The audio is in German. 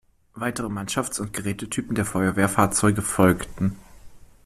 Weitere Mannschafts- und Gerätetypen der Feuerwehrfahrzeuge folgten.